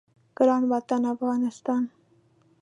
ګران وطن افغانستان